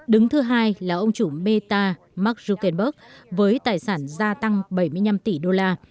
đứng thứ hai là ông chủ meta mak zukanberg với tài sản gia tăng bảy mươi năm tỷ đô la